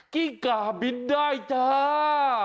กิ้งกาบินได้จ้า